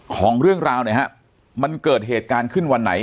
ของเรื่องราวหน่อยฮะมันเกิดเหตุการณ์ขึ้นวันไหน